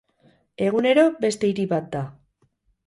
Egunero beste hiri bat da.